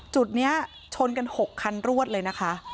จุดนี้ชนกัน๖คันรวดเลยนะคะ